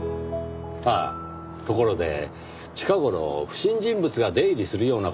ああところで近頃不審人物が出入りするような事はありませんでしたか？